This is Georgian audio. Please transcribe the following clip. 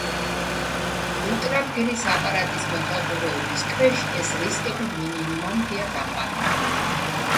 ულტრაბგერის აპარატის მეთვალყურეობის ქვეშ ეს რისკები მინიმუმამდეა დაყვანილი.